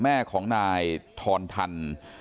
แม่ของนายทอนทัน